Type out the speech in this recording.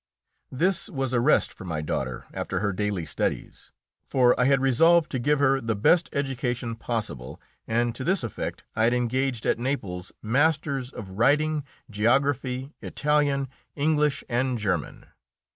This was a rest for my daughter after her daily studies, for I had resolved to give her the best education possible, and to this effect I had engaged at Naples masters of writing, geography, Italian, English, and German.